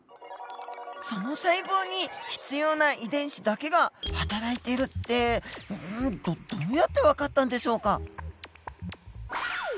その細胞に必要な遺伝子だけがはたらいてるってどどうやって分かったんでしょうか？